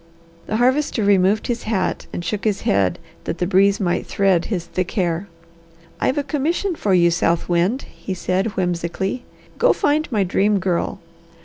The Harvester removed his hat and shook his head that the breeze might thread his thick hair. "I've a commission for you, South Wind," he said whimsically. "Go find my Dream Girl.